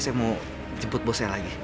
saya mau jemput bos saya lagi